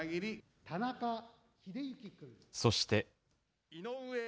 そして。